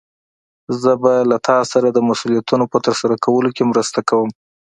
زه به له تا سره د مسؤليتونو په ترسره کولو کې مرسته کوم.